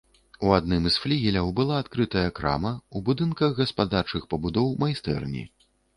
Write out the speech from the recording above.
У адным з флігеляў была адкрытая крама, у будынках гаспадарчых пабудоў майстэрні.